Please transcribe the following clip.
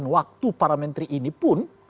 waktu para menteri ini pun